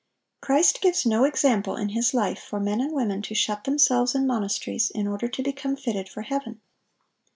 Christ gives no example in His life for men and women to shut themselves in monasteries in order to become fitted for heaven.